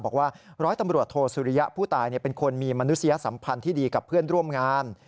บอกว่าร้อยตำรวจโทสุริยะผู้ตายเป็นคนมีมนุษยสัมพันธ์ที่ดีกับเพื่อนร่วมงาน